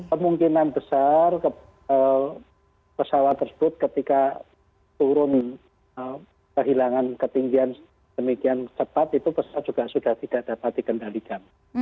kemungkinan besar pesawat tersebut ketika turun kehilangan ketinggian demikian cepat itu pesawat juga sudah tidak dapat dikendalikan